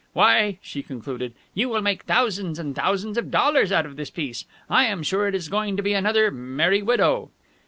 "Why," she concluded, "you will make thousands and thousands of dollars out of this piece. I am sure it is going to be another 'Merry Widow.'"